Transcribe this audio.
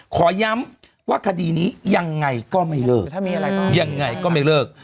ขอย้ำว่าคดีนี้ยังไงก็ไม่เลิกยังไงก็ไม่เลิก